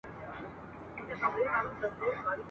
پر دې لاره چي وتلي زه یې شمع د مزار یم !.